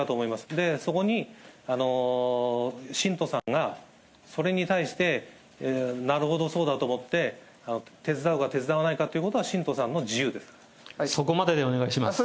で、そこに、信徒さんがそれに対して、なるほどそうだと思って、手伝うか、手伝わないかということは、そこまででお願いします。